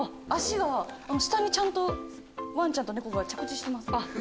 下にちゃんとワンちゃんと猫が着地してます。